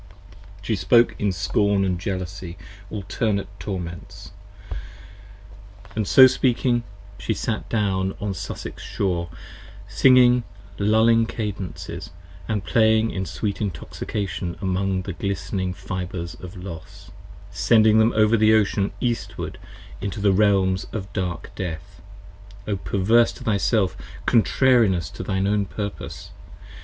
She spoke in scorn & jealousy, alternate torments; and 108 So speaking she sat down on Sussex shore, singing lulling Cadences, & playing in sweet intoxication among the glistening 25 Fibres of Los: sending them over the Ocean eastward into The realms of dark death ; O perverse to thyself, contrarious To thy own purposes!